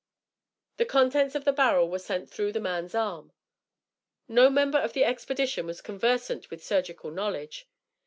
The contents of the barrel were sent through the man's arm. No member of the expedition was conversant with surgical knowledge.